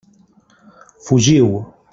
Fugiu!